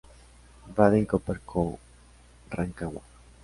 Braden Cooper Co., Rancagua.